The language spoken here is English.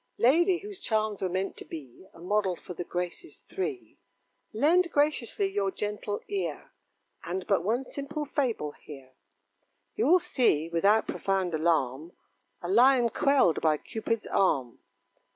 Lady, whose charms were meant to be A model for the Graces three; Lend graciously your gentle ear, And but one simple fable hear; You'll see, without profound alarm, A Lion quelled by Cupid's arm.